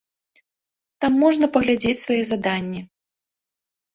Там можна паглядзець свае заданні.